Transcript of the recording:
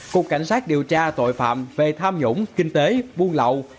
cục cảnh sát điều tra tội phạm về tham nhũng kinh tế buôn lậu